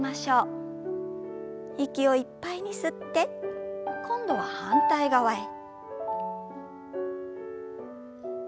息をいっぱいに吸って今度は反対側へ。